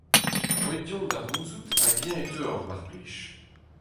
Roit deomp da c'houzout hag-eñ e teuoc'h, mar plij.